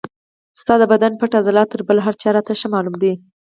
ستا د بدن پټ عضلات تر بل هر چا راته ښه معلوم دي.